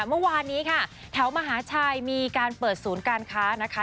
เมื่อวานนี้ค่ะแถวมหาชัยมีการเปิดศูนย์การค้านะคะ